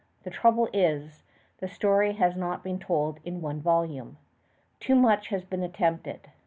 The trouble is, the story has not been told in one volume. Too much has been attempted.